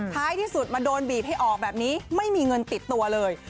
ท้ายที่สุดมาโดนบีบให้ออกแบบนี้ไม่มีเงินติดตัวเลย